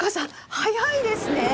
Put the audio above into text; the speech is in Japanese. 早いですねえ！